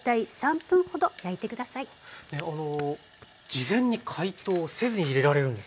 事前に解凍せずに入れられるんですね。